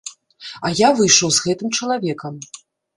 А я выйшаў з гэтым чалавекам.